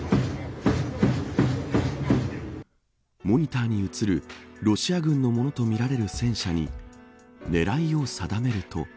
モニターに映るロシア軍のものとみられる戦車に狙いを定めると。